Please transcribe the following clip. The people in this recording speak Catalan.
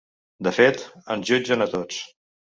De fet, ens jutgen a tots.